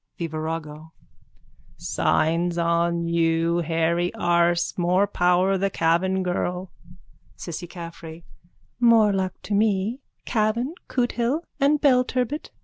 _ THE VIRAGO: Signs on you, hairy arse. More power the Cavan girl. CISSY CAFFREY: More luck to me. Cavan, Cootehill and Belturbet.